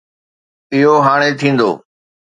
اهو هاڻي ٿيندو